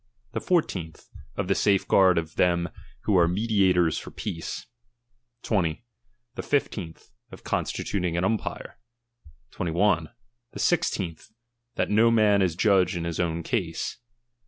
The fourteenth, of the safeguard of them who are mediators for peace. 20. The fifteenth, of consti tuting an umpire. 21. The sixteenth, that no man is judge ID his own cause.